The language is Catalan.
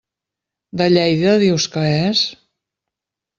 De Lleida dius que és?